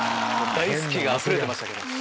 大好きがあふれてましたけど。